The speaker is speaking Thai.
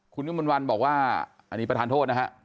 คุณวิมนต์วันบอกว่าอันนี้ประธานโทษนะฮะ